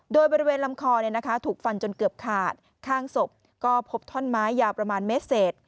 โดยบริเวณลำคอถูกฟันจนเกือบขาดข้างศพก็พบท่อนไม้ยาวประมาณเมตรเศษ